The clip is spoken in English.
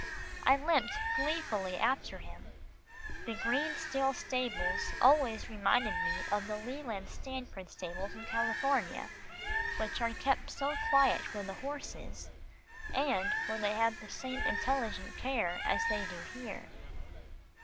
I limped gleefully after him. The Green Hill stables always reminded me of the Leland Stanford stables in California, which are kept so quiet for the horses, and where they have the same intelligent care as they do here.